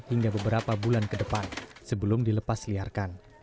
hingga beberapa bulan ke depan sebelum dilepas liarkan